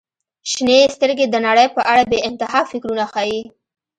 • شنې سترګې د نړۍ په اړه بې انتها فکرونه ښیي.